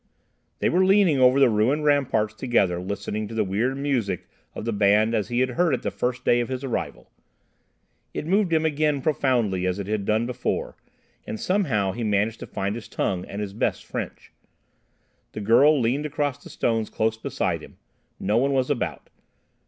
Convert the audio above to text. They were leaning over the ruined ramparts together listening to the weird music of the band as he had heard it the first day of his arrival. It moved him again profoundly as it had done before, and somehow he managed to find his tongue and his best French. The girl leaned across the stones close beside him. No one was about.